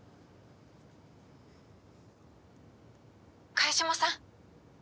☎萱島さん